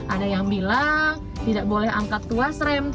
ada yang bilang tidak boleh angkat tuas rem